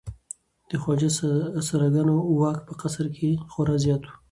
د خواجه سراګانو واک په قصر کې خورا زیات و.